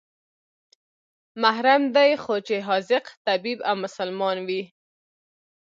محرم دى خو چې حاذق طبيب او مسلمان وي.